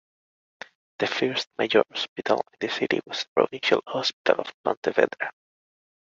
The first major hospital in the city was the Provincial Hospital of Pontevedra.